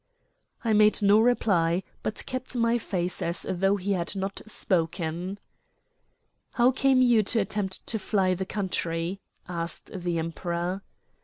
I made no reply, but kept my face as though he had not spoken. "How came you to attempt to fly the country?" asked the Emperor.